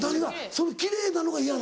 その奇麗なのが嫌なの？